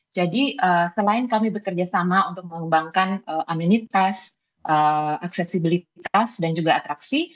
jadi selain kami bekerjasama untuk mengembangkan amenitas aksesibilitas dan juga atraksi